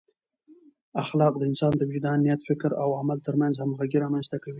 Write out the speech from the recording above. اخلاق د انسان د وجدان، نیت، فکر او عمل ترمنځ همغږۍ رامنځته کوي.